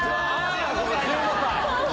１５歳だ。